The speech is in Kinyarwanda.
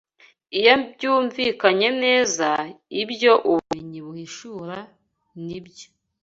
Iyo byumvikanye neza, ibyo ubumenyi buhishura n’ibyo